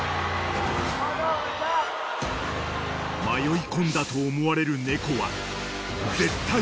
［迷い込んだと思われる猫は］